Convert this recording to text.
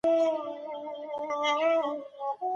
بهادور